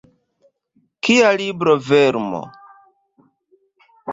Kia librovermo!